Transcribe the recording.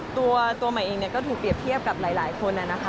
ตัวใหม่เองก็ถูกเปรียบเทียบกับหลายคนนะคะ